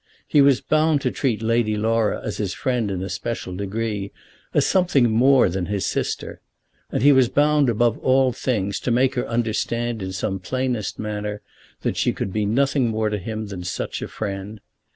He was bound to treat Lady Laura as his friend in a special degree, as something more than his sister, and he was bound above all things to make her understand in some plainest manner that she could be nothing more to him than such a friend.